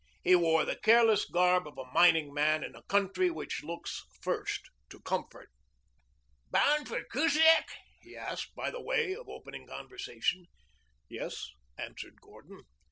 He wore the careless garb of a mining man in a country which looks first to comfort. "Bound for Kusiak?" he asked, by way of opening conversation. "Yes," answered Gordon.